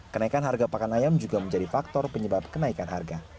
kenaikan harga pakan ayam juga menjadi faktor penyebab kenaikan harga